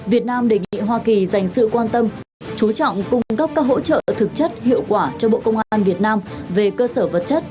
việt nam đề nghị hoa kỳ dành sự quan tâm chú trọng cung cấp các hỗ trợ thực chất hiệu quả cho bộ công an việt nam về cơ sở vật chất